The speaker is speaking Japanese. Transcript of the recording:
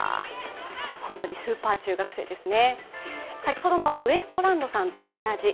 本当にスーパー中学生ですね。